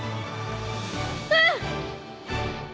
うん！